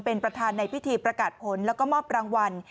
เป็นประธานในพิธีประกาศผลแล้วก็มอบรางวัล